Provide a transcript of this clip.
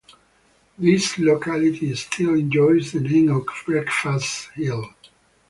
This locality still enjoys the name of Breakfast Hill.